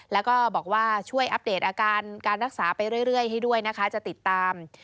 แล้วก็บอกว่าช่วยอัปเดตอาการการรักษาไปเรื่อยให้ด้วยนะคะจะติดตาม